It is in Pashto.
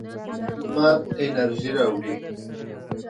لمر انرژي راوړي.